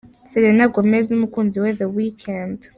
Selena Gomez n’umukunzi we The Weekend.